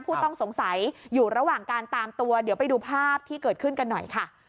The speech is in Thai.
ผู้ต้องสงสัยอยู่ระหว่างการตามตัวเดี๋ยวไปดูภาพที่เกิดขึ้นกันหน่อยค่ะ